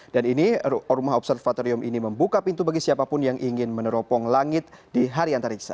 dan ini rumah observatorium ini membuka pintu bagi siapapun yang ingin meneropong langit di hari antariksa